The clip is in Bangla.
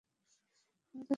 ভালো থেকো মেয়ে।